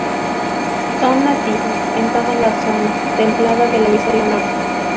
Son nativos en toda la zona templada del hemisferio norte.